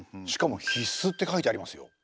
しかも「必須」って書いてありますよ。